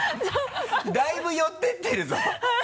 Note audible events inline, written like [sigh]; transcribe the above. だいぶ寄っていってるぞ [laughs]